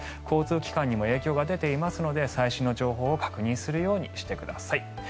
交通機関にも影響が出ていますので最新の情報を確認するようにしてください。